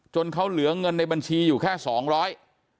จนเขาเหลือเงินในบัญชีอยู่แค่๒๐๐บาท